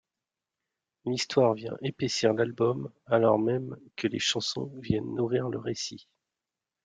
L’histoire vient épaissir l’album alors même que les chansons viennent nourrir le récit.